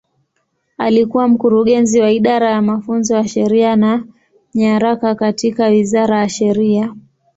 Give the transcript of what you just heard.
Alikuwa Mkurugenzi wa Idara ya Mafunzo ya Sheria na Nyaraka katika Wizara ya Sheria.